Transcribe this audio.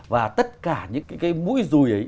và tất cả những cái mũi rùi ấy